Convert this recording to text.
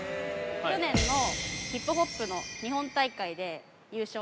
去年のヒップホップの日本大会で優勝。